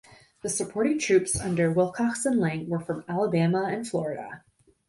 The supporting troops under Wilcox and Lang were from Alabama and Florida.